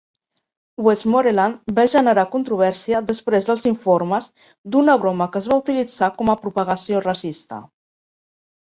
Westmoreland va generar controvèrsia després dels informes d'una broma que es va utilitzar com a propagació racista.